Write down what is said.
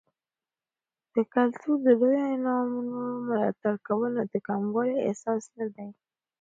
د کلتور د لویو انعامونو ملاتړ کول، نو د کموالي احساس نه دی.